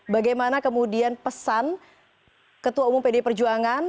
bagaimana kemudian pesan ketua umum pd perjuangan